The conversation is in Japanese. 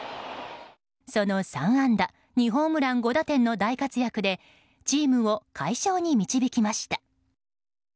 その３安打、２ホームラン５打点の大活躍でチームを快勝に導きました。